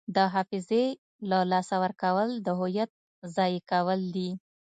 د حافظې له لاسه ورکول د هویت ضایع کول دي.